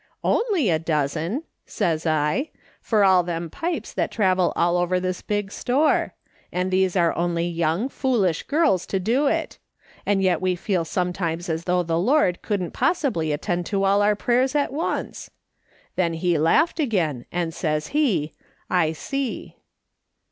' "'Only a dozen !' says I, ' for all them pipes that travel all over this big store ; and these are only young, foolish girls to do it ; and yet we feel some times as though the Lord couldn't possibly attend to all our prayers at once!' Then he laughed again, and says he, ' I see.'